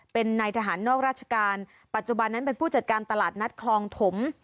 เป็นนายทหารนอกราชการปัจจุบันนั้นเป็นผู้จัดการตลาดนัดคลองถม